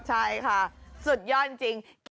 ใช่ค่ะสุดยอดจริง